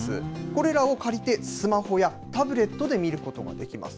これらを借りて、スマホやタブレットで見ることができます。